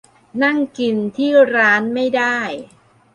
นั่งกินที่ร้านไม่ได้